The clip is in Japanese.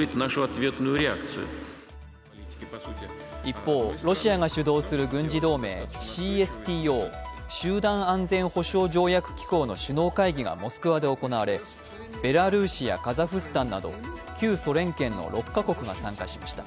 一方、ロシアが主導する軍事同盟ＣＳＴＯ＝集団安全保障条約機構の首脳会議がモスクワで行われ、ベラルーシやカザフスタンなど旧ソ連圏の６カ国が参加しました。